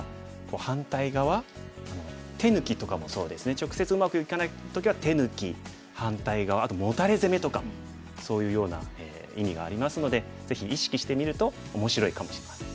直接うまくいかない時は手抜き反対側あとモタレ攻めとかもそういうような意味がありますのでぜひ意識してみると面白いかもしれません。